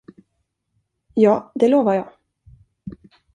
Ja, det lovar jag.